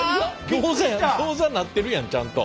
ギョーザやギョーザになってるやんちゃんと。